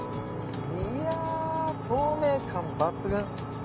いや透明感抜群！